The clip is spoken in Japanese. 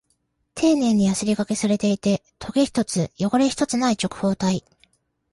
丁寧にヤスリ掛けされていて、トゲ一つ、汚れ一つない直方体。